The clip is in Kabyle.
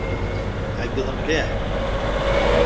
Ɛeyyeḍ mliḥ!